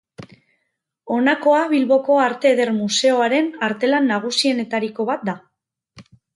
Honakoa Bilboko Arte Eder Museoaren artelan nagusienetariko bat da.